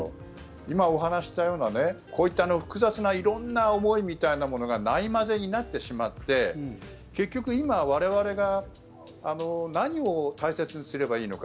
今、お話ししたようなこういった複雑な色んな思いみたいなものがない交ぜになってしまって結局、今、我々が何を大切にすればいいのか。